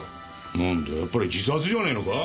なんだやっぱり自殺じゃねえのか？